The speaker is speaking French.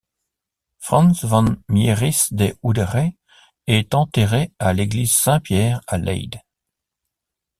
Frans van Mieris de Oudere est enterré à l'église St-Pierre à Leyde.